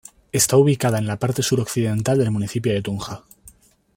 Está ubicada en la parte suroccidental del municipio de Tunja.